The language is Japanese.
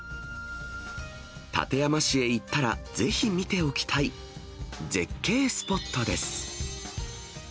館山市へ行ったらぜひ見ておきたい、絶景スポットです。